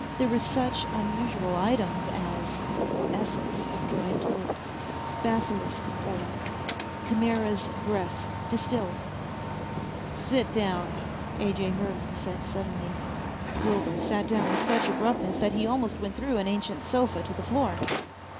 There were such unusual items as Essence of Dried Toad, Basilisk Oil, Chimera's Breath Distilled. "Sit down," A. J. Merlin said suddenly. Wilbur sat down with such abruptness that he almost went through an ancient sofa to the floor.